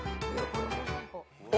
お！